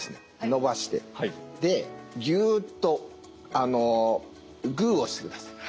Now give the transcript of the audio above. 伸ばしてでギューッとグーをしてください。